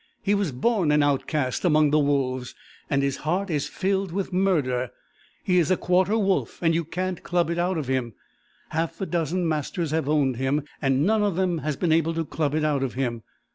He was born an outcast among the wolves and his heart is filled with murder. He is a quarter wolf, and you can't club it out of him. Half a dozen masters have owned him, and none of them has been able to club it out of him.